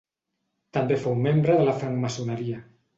També fou membre de la francmaçoneria.